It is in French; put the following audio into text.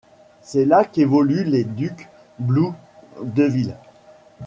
C'est là qu'évoluent les Duke Blue Devils.